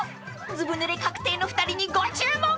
［ずぶぬれ確定の２人にご注目］